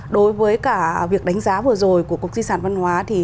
đối với cả việc đánh giá vừa rồi của cục di sản văn hóa